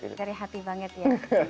dari hati banget ya